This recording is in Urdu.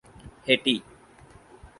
ہیٹی